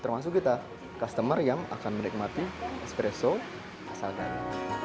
maksud kita customer yang akan menikmati espresso asal gayo